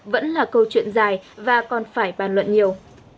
vẫn là câu chuyện dài và còn phải bàn luận nhiều